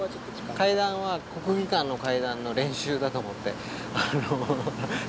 階段は国技館の階段の練習だと思って。